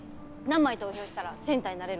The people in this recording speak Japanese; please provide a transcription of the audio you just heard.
何枚投票したらセンターになれる？